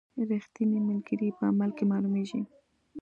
رښتینی ملګری په عمل کې معلومیږي.